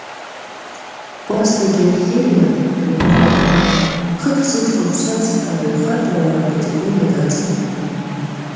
Кәасҭа Герхелиагьы, жәаҳәарада, хыхь зыӡбахә сҳәаз абаҩхатәра уаа ркатегориа даҵанакуеит.